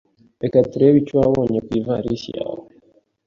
Reka turebe icyo wabonye ku ivarisi yawe.